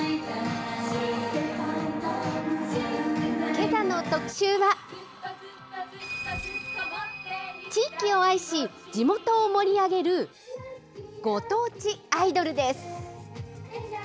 けさの特集は、地域を愛し、地元を盛り上げるご当地アイドルです。